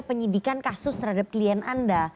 penyidikan kasus terhadap klien anda